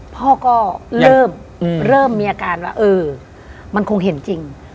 พ่อก็เริ่มมีอาการว่าเออมันคงเห็นจริง